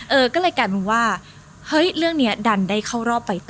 เออก็เลยกลายเป็นว่าเฮ้ยเรื่องนี้ดันได้เข้ารอบไปต่อ